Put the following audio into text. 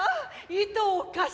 いとをかし。